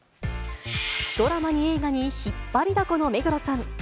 ドラマに映画に引っ張りだこの目黒さん。